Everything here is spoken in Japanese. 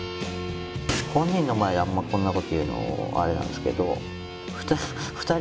本人の前でこんな事を言うのあれなんですけど。